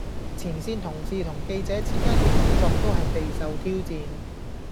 前線同事同記者之間嘅工作都係備受挑戰